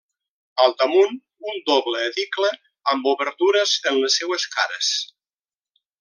Al damunt, un doble edicle amb obertures en les seues cares.